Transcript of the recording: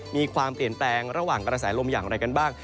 มีความเปลี่ยนแปลงระหว่างกระแสลมอย่างไรกันบ้าง